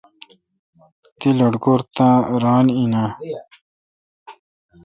تی لٹکور ران این آں؟